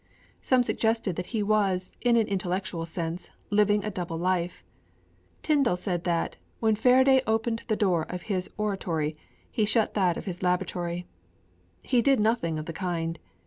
Some suggested that he was, in an intellectual sense, living a double life. Tyndall said that, when Faraday opened the door of his oratory, he shut that of his laboratory. He did nothing of the kind.